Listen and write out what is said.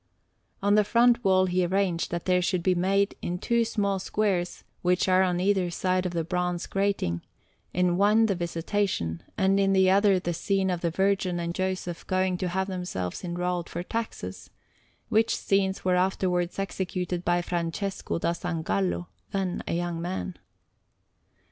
On the front wall he arranged that there should be made, in two small squares which are on either side of the bronze grating, in one the Visitation and in the other the scene of the Virgin and Joseph going to have themselves enrolled for taxes; which scenes were afterwards executed by Francesco da San Gallo, then a young man.